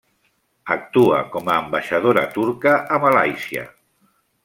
Actua com a ambaixadora turca a Malàisia.